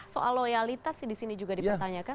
soal loyalitas sih disini juga dipertanyakan